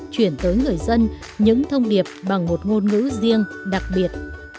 chuyển tới người dân những thông điệp bằng một ngôn ngữ riêng đặc biệt